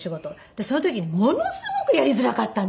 でその時にものすごくやりづらかったんですよ。